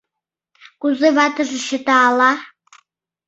Кузе ватыже чыта ала?»